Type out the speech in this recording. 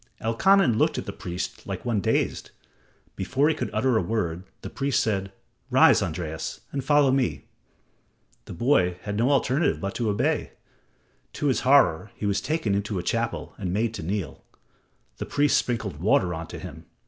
Elkanan looked at the priest like one dazed. Before he could utter a word, the priest said: "Rise, Andreas, and follow me." The boy had no alternative but to obey. To his horror he was taken into a chapel and made to kneel. The priests sprinkled water on him.